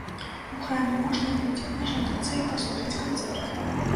У храме можна будзе ажаніцца і паслухаць канцэрт.